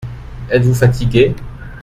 Êtes-vous fatigué ?